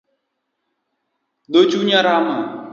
Dho chunya rama